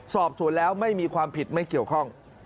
สอบสวนแล้วไม่มีความผิดไม่เกี่ยวข้อง